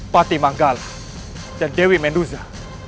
pati manggala dan dewi menduza